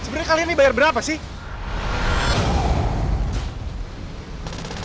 saudara jaka anda dalam pengawasan